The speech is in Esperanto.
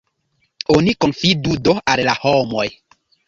Oni konfidu do al la homoj!